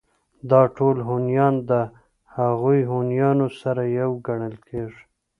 دا ټول هونيان د هغو هونيانو سره يو گڼل کېږي